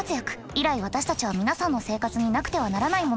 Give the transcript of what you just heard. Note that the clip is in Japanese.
以来私たちは皆さんの生活になくてはならないものでした。